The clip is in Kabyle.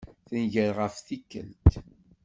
Tenger ɣef tikelt.